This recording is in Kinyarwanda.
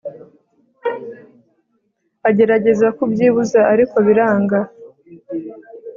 agerageza kubyibuza ariko biranga